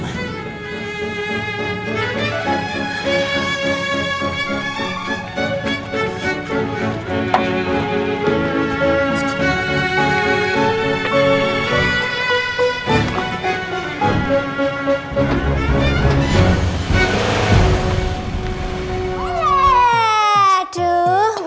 masa itu sudah selesai